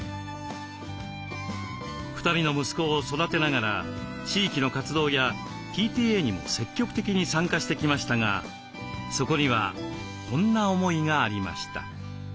２人の息子を育てながら地域の活動やＰＴＡにも積極的に参加してきましたがそこにはこんな思いがありました。